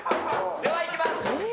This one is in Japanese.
ではいきます！